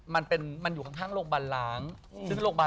มันเป็นอย่างนี้